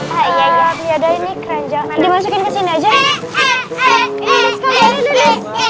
pada ini keren dimasukin ke sini aja